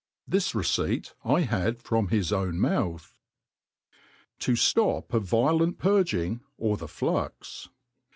'This receipt 1 had from his own mouth. 7i Jlop a violent Purghg^ or the Plnx